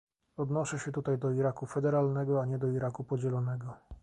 Odnoszę się tutaj do Iraku federalnego, a nie do Iraku podzielonego